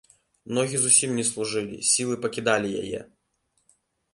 Ногі зусім не служылі, сілы пакідалі яе.